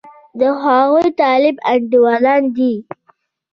د هغوی طالب انډېوالان دي.